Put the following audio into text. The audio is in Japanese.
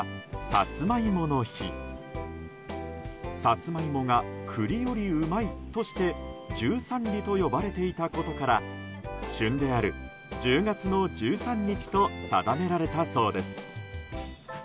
サツマイモが栗よりうまいとして十三里と呼ばれていたことから旬である１０月の１３日と定められたそうです。